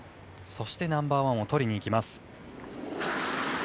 そしてナンバーワンをとりにいきます。